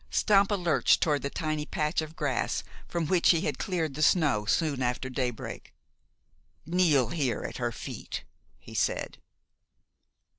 Stampa lurched toward the tiny patch of grass from which he had cleared the snow soon after daybreak. "Kneel here at her feet!" he said.